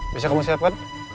bisa kamu siapkan